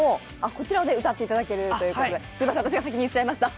こちらを歌っていただけるということで、すいません、私が先に言っちゃいました。